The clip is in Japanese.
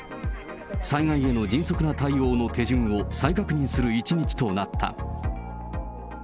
災害への迅速な対応の手順を再確認する一日となった。